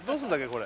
これ。